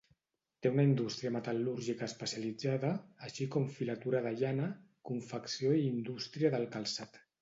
Té una indústria metal·lúrgica especialitzada, així com filatura de llana, confecció i indústria del calçat.